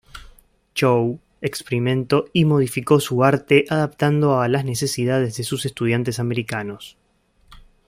Chow experimento y modificó su arte, adaptando a las necesidades de sus estudiantes americanos.